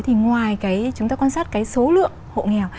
thì ngoài cái chúng ta quan sát cái số lượng hộ nghèo